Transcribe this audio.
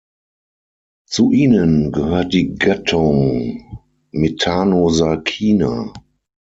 Zu ihnen gehört die Gattung "Methanosarcina".